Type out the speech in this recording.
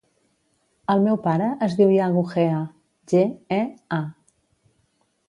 El meu pare es diu Iago Gea: ge, e, a.